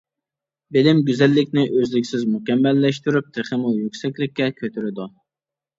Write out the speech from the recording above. بىلىم گۈزەللىكنى ئۆزلۈكسىز مۇكەممەللەشتۈرۈپ، تېخىمۇ يۈكسەكلىككە كۆتۈرىدۇ.